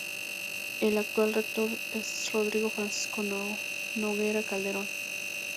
El actual rector es Rodrigo Francisco Noguera Calderón.